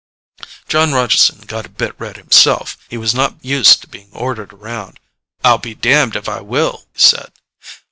Jon Rogeson got a bit red himself. He was not used to being ordered around. "I'll be damned if I will," he said.